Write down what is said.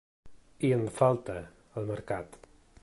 I en falta, al mercat.